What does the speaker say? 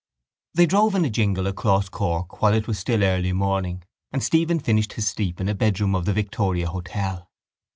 They drove in a jingle across Cork while it was still early morning and Stephen finished his sleep in a bedroom of the Victoria Hotel.